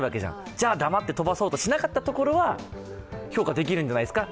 じゃあ黙って飛ばそうとしなかったところは評価できるんじゃないですか。